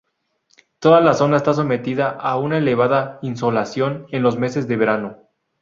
Toda la zona está sometida a una elevada insolación en los meses de verano.